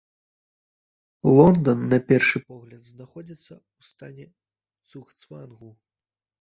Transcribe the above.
Лондан, на першы погляд, знаходзіцца ў стане цугцвангу.